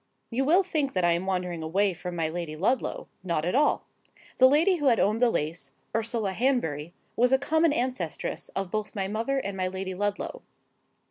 You will think that I am wandering away from my Lady Ludlow. Not at all. The Lady who had owned the lace, Ursula Hanbury, was a common ancestress of both my mother and my Lady Ludlow.